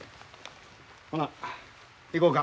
ほな行こうか。